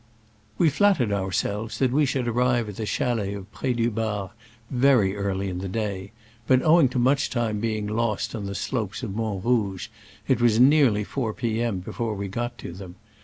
We flattered ourselves that we should arrive at the chalets of Pr6 du Bar very early in the day, but, owing to much time being lost on the slopes of Mont Rouge, it was nearly 4 p. m. before we got to them.